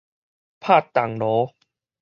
拍銅鑼